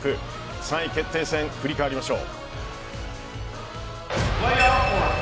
３位決定戦振り返りましょう。